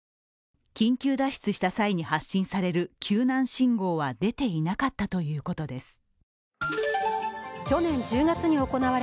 緊急脱出した際に発信される救難信号は出ていなかったということです。